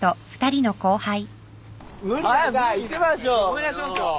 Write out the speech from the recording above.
お願いしますよ。